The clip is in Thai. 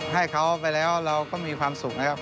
ให้เขาไปแล้วเราก็มีความสุขนะครับ